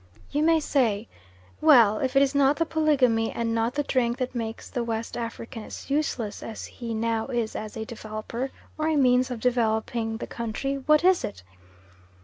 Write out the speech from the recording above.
You may say: Well! if it is not the polygamy and not the drink that makes the West African as useless as he now is as a developer, or a means of developing the country, what is it?